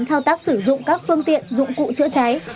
thao tác sử dụng các phương tiện dụng cụ chữa cháy